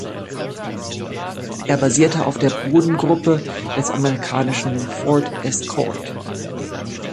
Er basierte auf der Bodengruppe des amerikanischen Ford Escort.